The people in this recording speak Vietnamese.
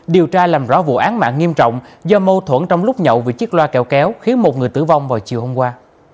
điều tra làm rõ vụ án mạng nghiêm trọng do mâu thuẫn trong lúc nhậu vì chiếc loa kẹo kéo khiến một người tử vong vào chiều hôm qua